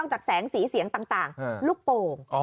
จากแสงสีเสียงต่างลูกโป่ง